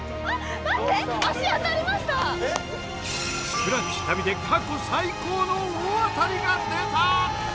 スクラッチ旅で過去最高の大当たりが出た！